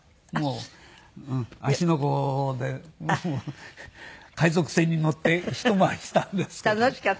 芦ノ湖で海賊船に乗って一回りしたんですけど。